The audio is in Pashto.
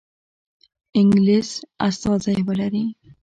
انګلیس استازی ولري.